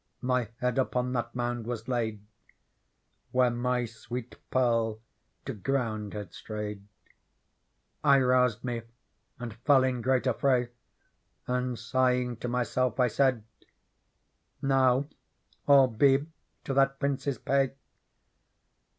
My head upon that Mouud was laid Where my swe, et. Pearl t o grou nd had strayed ; I roused me, and fell in great affray : And, sighing, to myself I said, *' Now all be to that Prince's pay